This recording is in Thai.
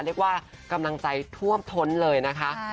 เรียกว่ากำลังใจท่วมท้นเลยนะคะ